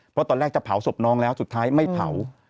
เพราะตอนแรกจะเผาศพน้องแล้วสุดท้ายไม่เผา